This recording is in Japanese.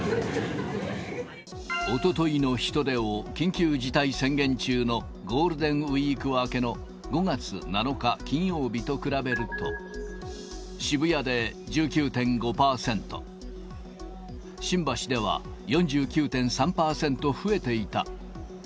おとといの人出を、緊急事態宣言中のゴールデンウィーク明けの５月７日金曜日と比べると、渋谷で１９．５％、新橋では４９．３％増えていた。